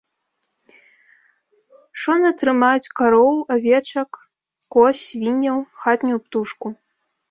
Шона трымаюць кароў, авечак, коз, свінняў, хатнюю птушку.